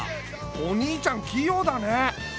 お兄ちゃん器用だね。